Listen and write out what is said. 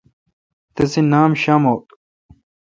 تسے نام شاموٹ۔